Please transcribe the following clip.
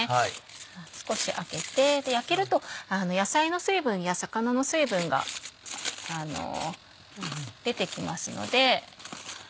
少し開けてで焼けると野菜の水分や魚の水分が出てきますので。